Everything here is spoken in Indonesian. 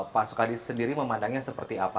pak sukadi sendiri memandangnya seperti apa